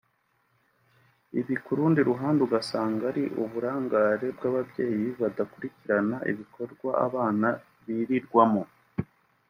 Ibi ku rundi ruhande ugasanga ari uburangare bw’ababyeyi badakurikirana ibikorwa abana birirwamo